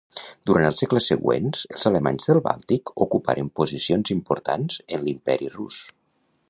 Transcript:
Durant els segles següents, els alemanys del Bàltic ocuparen posicions importants en l'Imperi Rus.